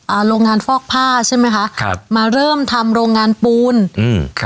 โรงงานฟอกผ้าใช่ไหมคะครับมาเริ่มทำโรงงานปูนอืมครับ